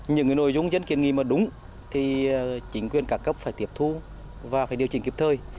những nội dung dân kiên nghị mà đúng thì chính quyền các cấp phải tiếp thu và phải điều chỉnh kịp thời